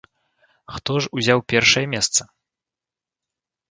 Хто ж узяў першае месца?